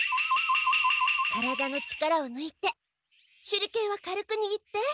体の力をぬいて手裏剣は軽くにぎって。